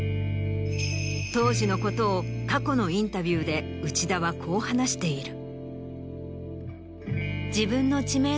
当時のことを過去のインタビューで内田はこう話している。